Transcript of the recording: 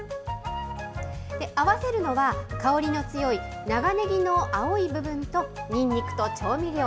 合わせるのは、香りの強い長ねぎの青い部分と、にんにくと調味料。